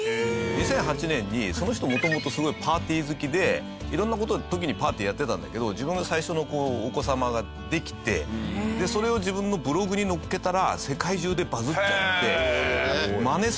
２００８年にその人元々すごいパーティー好きで色んな時にパーティーやってたんだけど自分が最初のお子様ができてでそれを自分のブログに載っけたら世界中でバズっちゃってマネする人が続出したんですよ。